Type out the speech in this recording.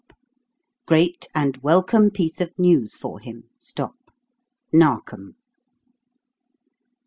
Great and welcome piece of news for him. NARKOM."